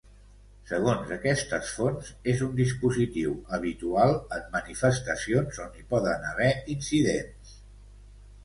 Segons aquestes fonts, és un dispositiu habitual en manifestacions on hi poden haver incidents.